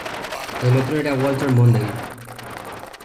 El otro era Walter Mondale.